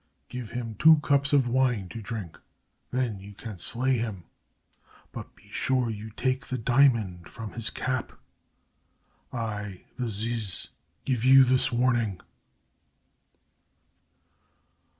Give him two cups of wine to drink, then you can slay him. But be sure you take the diamond from his cap. I, the ziz, give you this warning."